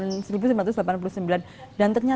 dan ternyata sudah ada banyak yang menggunakan nama